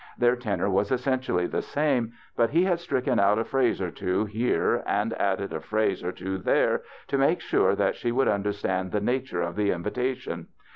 Their tenor w^as essentially the same, but he had stricken out a phrase or two here, and added a phrase or two there, to make sure that she would understand the nature of the invitation.